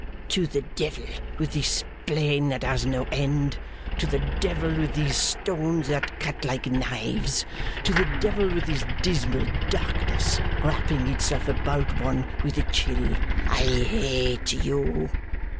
'To the devil with this plain that has no end! To the devil with these stones that cut like knives! To the devil with this dismal darkness, wrapping itself about one with a chill! I hate you!